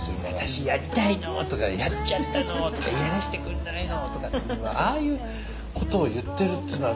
「私やりたいの」とか「やっちゃったの」とか「やらしてくんないの」とかっていうのはああいうことを言ってるっつうのはね